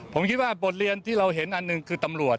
ผมคิดว่าบทเรียนที่เราเห็นอันหนึ่งคือตำรวจ